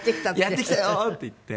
「やってきたよ！」って言って。